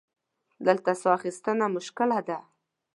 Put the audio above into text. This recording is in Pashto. دلته سا اخیستنه مشکله ده.